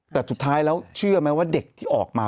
แต่สุดท้ายแล้วเชื่อไหมว่าเด็กที่ออกมา